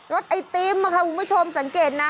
รถไอติมหูว่าค่ะสังเกตนะ